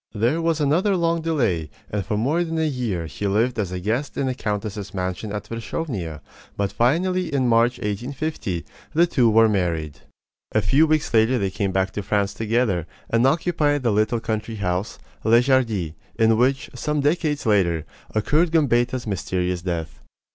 There was another long delay, and for more than a year he lived as a guest in the countess's mansion at Wierzchownia; but finally, in March, 1850, the two were married. A few weeks later they came back to France together, and occupied the little country house, Les Jardies, in which, some decades later, occurred Gambetta's mysterious death.